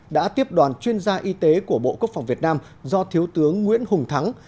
đã tiếp đoàn chuyên gia y tế của bộ quốc phòng việt nam do thiếu tướng nguyễn hùng thắng